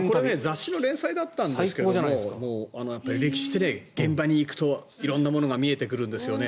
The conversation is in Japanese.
雑誌の連載だったんですけど歴史って現場に行くと色んなものが見えてくるんですよね。